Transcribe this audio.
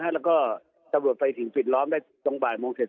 แล้วก็ตำรวจไปถึงปิดล้อมได้ตรงบ่ายโมงเสร็จ